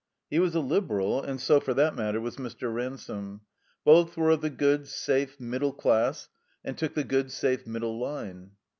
He was a Liberal; and so, for that matter, was Mr. Ransome. Both were of the good, safe middle class, and took the good, safe, middle line.